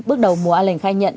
bước đầu mùa a lệnh khai nhận